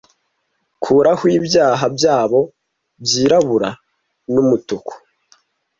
kuraho ibyaha byabo byirabura n'umutuku